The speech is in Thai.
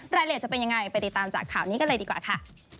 รายละเอียดจะเป็นยังไงไปติดตามจากข่าวนี้กันเลยดีกว่าค่ะ